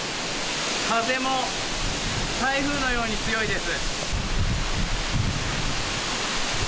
風も台風のように強いです。